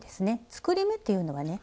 作り目っていうのはね